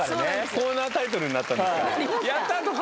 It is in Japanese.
コーナータイトルになったんですか。